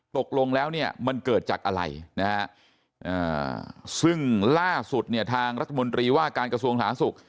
ตกลงแล้วเนี่ยมันเกิดจากอะไรนะฮะซึ่งล่าสุดเนี่ยทางรัฐมนตรีว่าการกระทรวงสาธารณสุข